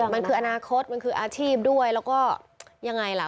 มันคืออนาคตมันคืออาชีพด้วยแล้วก็ยังไงล่ะ